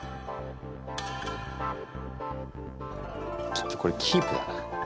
ちょっとこれキープだな。